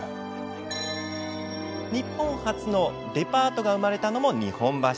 日本初のデパートが生まれたのも日本橋。